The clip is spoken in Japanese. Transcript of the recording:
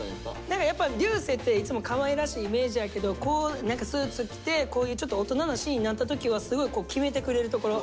何かやっぱ流星っていつもかわいらしいイメージやけどこう何かスーツ着てこういうちょっと大人なシーンになった時はすごいキメてくれるところ。